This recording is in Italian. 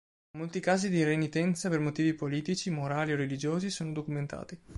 Molti casi di renitenza per motivi politici, morali o religiosi sono documentati.